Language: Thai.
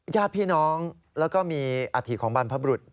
ญาติพี่น้องแล้วก็มีอาถิของบรรพบรุษ